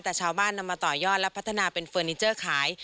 แต่ชาวบ้านนำมาต่อยอดและพัฒนาเป็นเฟอร์นิเจอร์ขาย